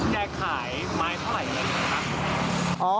แกขายไม้เท่าไรอยู่นั่นคะ